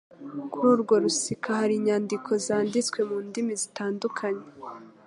Kuri urwo rusika hari inyandiko zanditswe mu ndimi zitandukanye,